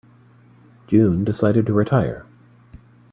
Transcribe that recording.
June decided to retire.